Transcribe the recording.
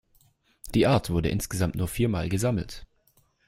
Die Art wurde insgesamt nur vier Mal gesammelt.